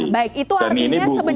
baik itu artinya sebenarnya pak alex